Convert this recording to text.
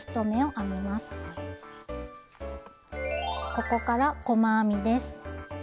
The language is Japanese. ここから細編みです。